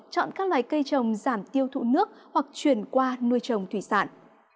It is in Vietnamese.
chọn các loại cây trồng giảm tiêu thụ nước hoặc chuyển qua nuôi trồng thủy sản